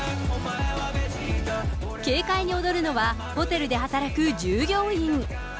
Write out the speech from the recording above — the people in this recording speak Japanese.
軽快に踊るのは、ホテルで働く従業員。